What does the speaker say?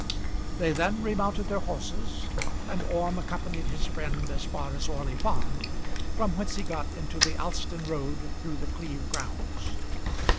They then remounted their horses, and Orme accompanied his friend as far as Orley Farm, from whence he got into the Alston road through The Cleeve grounds.